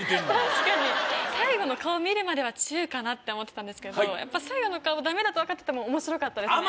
確かに最後の顔見るまでは中かなって思ってたんですけど最後の顔ダメだと分かってても面白かったですね